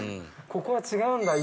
ここは違うんだ。